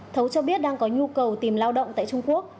thấu cho biết đang có nhu cầu tìm lao động tại trung quốc